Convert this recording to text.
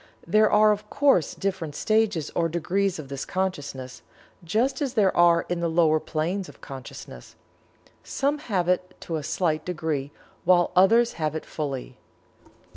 There are, of course, different stages or degrees of this Consciousness, just as there are in the lower planes of consciousness. Some have it to a slight degree, while others have it fully.